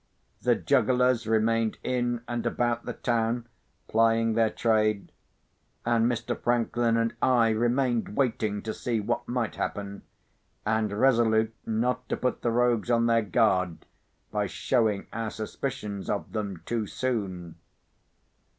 The jugglers remained in and about the town plying their trade; and Mr. Franklin and I remained waiting to see what might happen, and resolute not to put the rogues on their guard by showing our suspicions of them too soon.